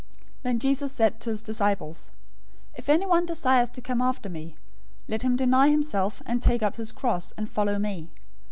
016:024 Then Jesus said to his disciples, "If anyone desires to come after me, let him deny himself, and take up his cross, and follow me.